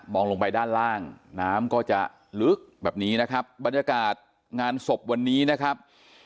ลงไปด้านล่างน้ำก็จะลึกแบบนี้นะครับบรรยากาศงานศพวันนี้นะครับ